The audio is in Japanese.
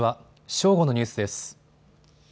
正午のニュースです。